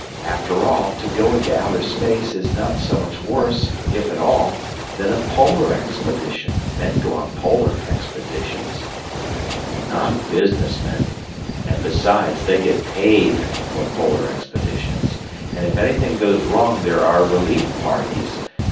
"After all, to go into outer space is not so much worse, if at all, than a polar expedition. Men go on polar expeditions." "Not business men. And besides, they get paid for polar expeditions. And if anything goes wrong there are relief parties.